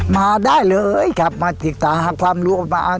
มาได้เลยครับมาสิริษฐาความรู้